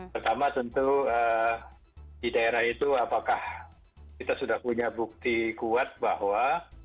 pertama tentu di daerah itu apakah kita sudah punya bukti kuat bahwa